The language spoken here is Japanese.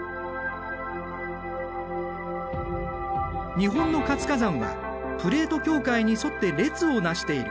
日本の活火山はプレート境界に沿って列をなしている。